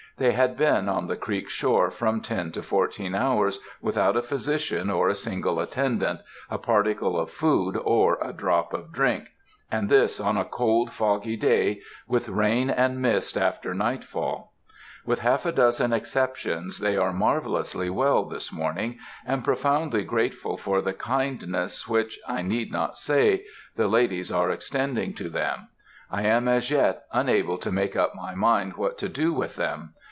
They had been on the creek shore from ten to fourteen hours, without a physician or a single attendant, a particle of food or a drop of drink, and this on a cold, foggy day, with rain and mist after nightfall. With half a dozen exceptions, they are marvellously well this morning, and profoundly grateful for the kindness which, I need not say, the ladies are extending to them. I am as yet unable to make up my mind what to do with them.